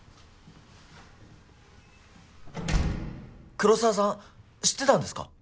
黒澤さん知ってたんですか？